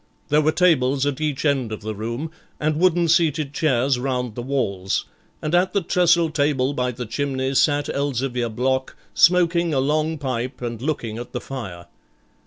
There were tables at each end of the room, and wooden seated chairs round the walls, and at the trestle table by the chimney sat Elzevir Block smoking a long pipe and looking at the fire.